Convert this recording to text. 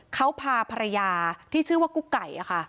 เขาพาภรรยาที่ชื่อว่ากุ๊กไก่